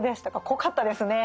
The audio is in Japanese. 濃かったですね。